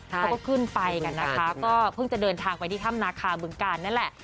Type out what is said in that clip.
เขาก็ขึ้นไปกันนะคะก็เพิ่งจะเดินทางไปที่ถ้ำนาคาบึงกาลนั่นแหละ